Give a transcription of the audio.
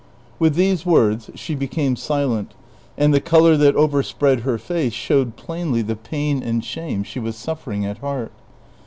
With these words she became silent, and the color that overspread her face showed plainly the pain and shame she was snffering at heart.